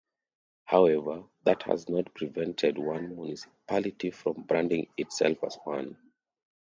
However, that has not prevented one municipality from branding itself as one.